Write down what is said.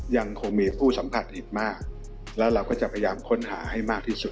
ยังคงมีผู้สัมผัสอีกมากแล้วเราก็จะพยายามค้นหาให้มากที่สุด